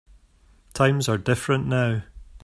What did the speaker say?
Times are different now.